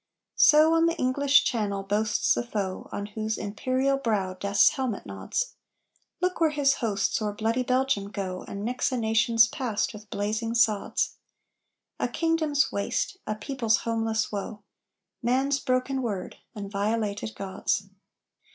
So on the English Channel boasts the foe On whose imperial brow death's helmet nods. Look where his hosts o'er bloody Belgium go, And mix a nation's past with blazing sods! A kingdom's waste! a people's homeless woe! Man's broken Word, and violated gods!